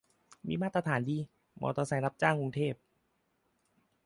มีมาตรฐานดี มอเตอร์ไซค์รับจ้างกรุงเทพ